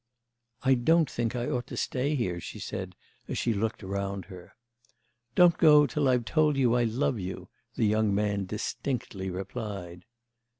"I don't think I ought to stay here," she said as she looked round her. "Don't go till I've told you I love you," the young man distinctly replied.